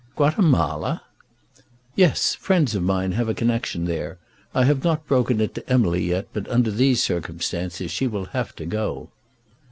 "Guatemala!" "Yes; friends of mine have a connection there. I have not broken it to Emily yet, but under these circumstances she will have to go."